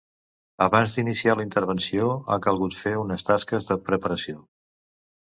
Abans d'iniciar la intervenció, ha calgut fer unes tasques de preparació.